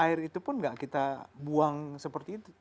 air itu pun tidak kita buang seperti itu